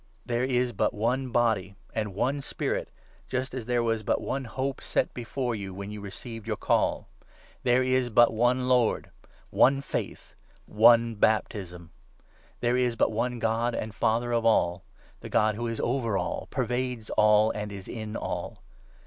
There is 4 but one Body and one Spirit, just as there was but one hope EPHESIANS, 4. 393 set before you when you received your Call. There is but one 5 Lord, one Faith, one Baptism. There is but one God and 6 Father of all — the God who is over all, pervades all, and is in all.